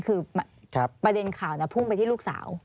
คือประเด็นข่าวพุ่งไปที่ลูกสาว